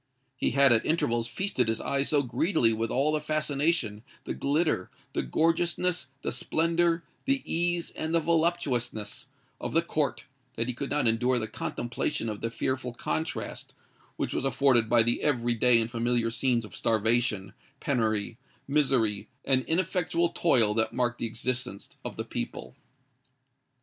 He had at intervals feasted his eyes so greedily with all the fascination, the glitter, the gorgeousness, the splendour, the ease, and the voluptuousness, of the Court, that he could not endure the contemplation of the fearful contrast which was afforded by the every day and familiar scenes of starvation, penury, misery, and ineffectual toil that marked the existence of the people.